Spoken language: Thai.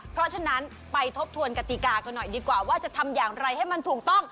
เพราะฉะนั้นไปทบทวนกติกากันหน่อยดีกว่าว่าจะทำอย่างไรให้มันถูกต้อง